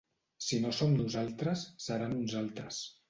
Si no som nosaltres, seran uns altres.